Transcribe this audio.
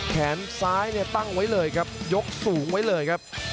แขนซ้ายเนี่ยตั้งไว้เลยครับยกสูงไว้เลยครับ